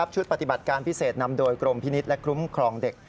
ชุดปฏิบัติการพิเศษนำโดยกรมพินิษฐ์และคุ้มครองเด็ก